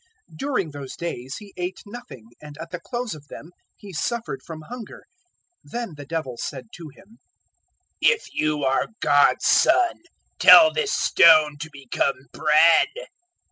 During those days He ate nothing, and at the close of them He suffered from hunger. 004:003 Then the Devil said to Him, "If you are God's Son, tell this stone to become bread."